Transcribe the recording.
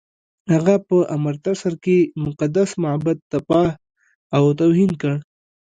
هغه په امرتسر کې مقدس معبد تباه او توهین کړ.